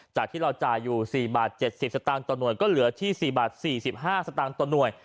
จากที่เราจ่ายอยู่๔บาท๗๐สตางค์ต่อหน่วยก็เหลือที่๔บาท๔๕สตางค์ต่อหน่วย